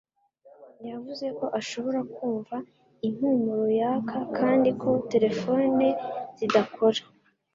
Yavuze ko ashobora kumva impumuro yaka kandi ko terefone zidakora